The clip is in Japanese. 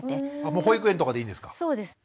もう保育園とかでいいんですか？